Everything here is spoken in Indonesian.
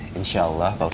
saksinya sudah almarhum